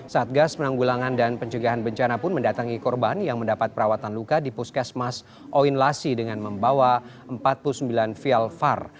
satgas penanggulangan dan pencegahan bencana pun mendatangi korban yang mendapat perawatan luka di puskesmas oin lasi dengan membawa empat puluh sembilan vial var